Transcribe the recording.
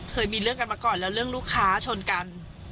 เคยมีเรื่องกันมาก่อนแล้วเรื่องลูกค้าชนกัน